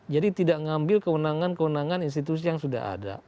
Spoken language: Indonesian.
jadi tidak mengambil kewenangan kewenangan institusi yang sudah ada